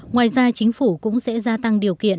ngoài ra chính phủ cũng sẽ gia tăng điều kiện